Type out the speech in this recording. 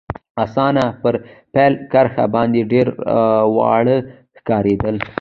اسان پر پیل کرښه باندي ډېر واړه ښکارېدل.